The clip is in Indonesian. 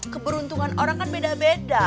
keberuntungan orang kan beda beda